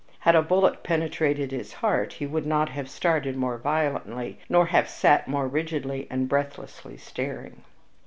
Had a bullet penetrated his heart he could not have started more violently, nor have sat more rigidly and breathlessly staring.